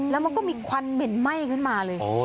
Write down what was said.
แล้วมันก็มีควันเหม็นไหม้ขึ้นมาเลย